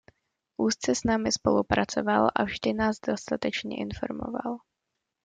Úzce s námi spolupracoval a vždy nás dostatečně informoval.